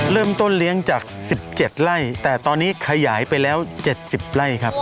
เริ่มต้นเลี้ยงจาก๑๗ไร่แต่ตอนนี้ขยายไปแล้ว๗๐ไร่ครับ